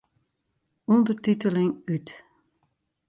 Undertiteling út.